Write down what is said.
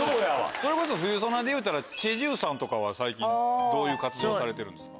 それこそ『冬ソナ』でいうたらチェ・ジウさんとかは最近どういう活動をされてるんですか？